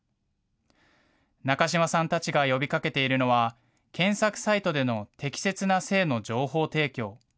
中島さんたちが呼びかけているのは、検索サイトでの適切な性の情報提供。